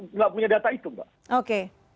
nggak punya data itu mbak